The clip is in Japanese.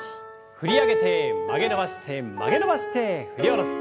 振り上げて曲げ伸ばして曲げ伸ばして振り下ろす。